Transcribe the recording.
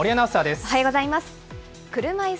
おはようございます。